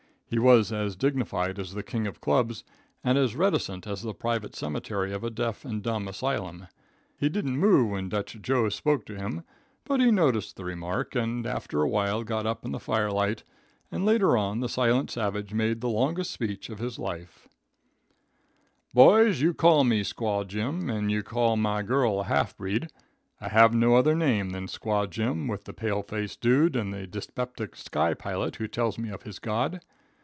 He was as dignified as the king of clubs, and as reticent as the private cemetery of a deaf and dumb asylum. He didn't move when Dutch Joe spoke to him, but he noticed the remark, and after awhile got up in the firelight, and later on the silent savage made the longest speech of his life. [Illustration: "BOYS, YOU CALL ME SQUAW JIM."] "Boys, you call me Squaw Jim, and you call my girl a half breed. I have no other name than Squaw Jim with the pale faced dude and the dyspeptic sky pilot who tells me of his God.